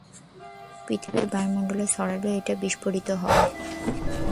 পৃথিবীর বায়ুমণ্ডল ছাড়ালেই এটা বিস্ফোরিত হবে।